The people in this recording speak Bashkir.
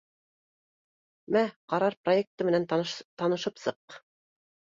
— Мә, ҡарар проекты менән танышып сыҡ